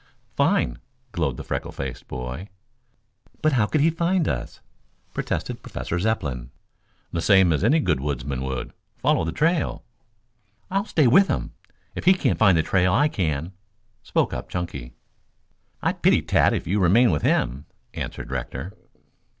"Fine," glowed the freckle faced boy. "But how could he find us?" protested Professor Zepplin. "The same as any good woodsman would. Follow the trail." "I'll stay with him. If he can't find the trail, I can," spoke up Chunky. "I pity Tad if you remain with him," answered Rector.